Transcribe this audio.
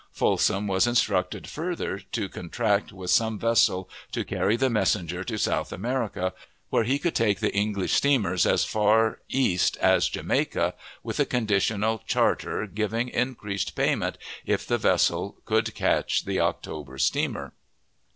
Folsom was instructed further to contract with some vessel to carry the messenger to South America, where he could take the English steamers as far east as Jamaica, with a conditional charter giving increased payment if the vessel could catch the October steamer.